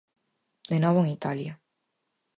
De novo en Italia.